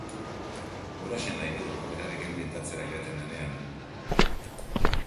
Huraxe nahi du berarekin pintatzera joaten denean.